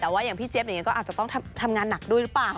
แต่ว่าอย่างพี่เจี๊ยบอย่างนี้ก็อาจจะต้องทำงานหนักด้วยหรือเปล่า